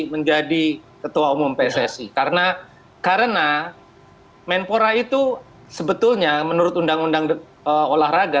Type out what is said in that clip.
menjadi ketua umum pssi karena karena menpora itu sebetulnya menurut undang undang olahraga